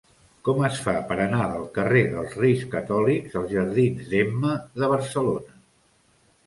Com es fa per anar del carrer dels Reis Catòlics als jardins d'Emma de Barcelona?